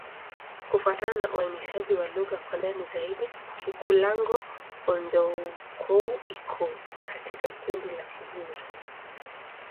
Kufuatana na uainishaji wa lugha kwa ndani zaidi, Kikulango-Bondoukou iko katika kundi la Kigur.